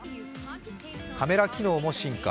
カメラ機能も進化。